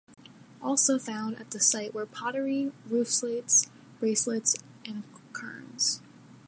Also found at the site were pottery, roof slates, bracelets and querns.